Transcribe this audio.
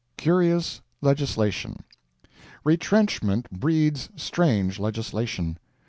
Curious Legislation. Retrenchment breeds strange legislation.